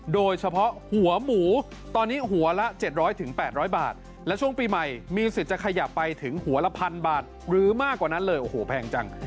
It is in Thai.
โดยเฉพาะหัวหมูตอนนี้หัวละ๗๐๐๘๐๐บาทและช่วงปีใหม่มีสิทธิ์จะขยับไปถึงหัวละพันบาทหรือมากกว่านั้นเลยโอ้โหแพงจัง